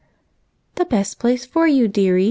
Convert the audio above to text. " The best place for you, deary.